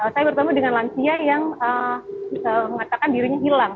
saya bertemu dengan lansia yang mengatakan dirinya hilang